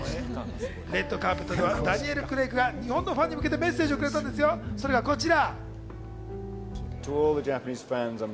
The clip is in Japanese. カーペットではダニエル・クレイグが日本のファンに向けてメッセージをくれたんですよ、それがこちら。